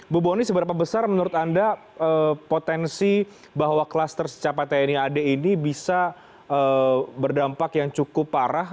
bu boni seberapa besar menurut anda potensi bahwa klaster secapai tni ad ini bisa berdampak yang cukup parah